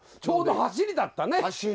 ちょうどはしりだったね。